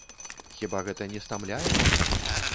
Хіба гэта не стамляе?